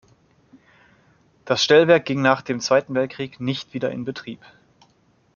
Das Stellwerk ging nach dem Zweiten Weltkrieg nicht wieder in Betrieb.